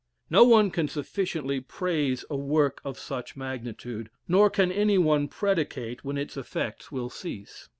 No one can sufficiently praise a work of such magnitude; nor can any one predicate when its effects will cease.